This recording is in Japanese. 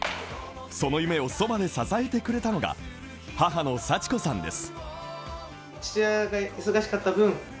その夢をそばで支えてくれたのが母の祥子さんです。